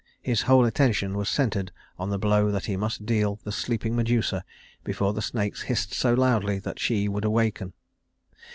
His whole attention was centered on the blow that he must deal the sleeping Medusa before the snakes hissed so loudly that she would awaken.